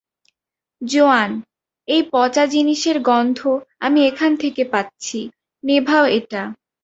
জোয়ান, এই পঁচা জিনিসের গন্ধ আমি এখান থেকে পাচ্ছি, নেভাও এটা।